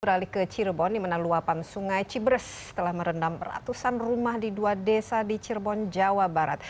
beralih ke cirebon di mana luapan sungai cibres telah merendam ratusan rumah di dua desa di cirebon jawa barat